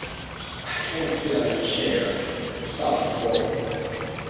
‘I can’t sit on a chair,’ sobbed the boy.